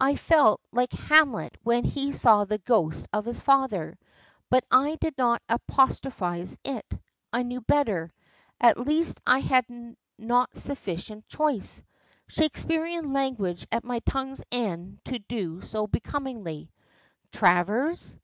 I felt like Hamlet when he saw the ghost of his father; but I did not apostrophize it I knew better, at least I had not sufficient choice Shakespearian language at my tongue's end to do so becomingly. "Travers?"